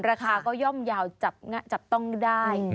ราคาก็ย่อมเยาว์จับต้องได้